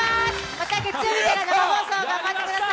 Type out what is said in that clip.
また月曜日からの生放送頑張ってください。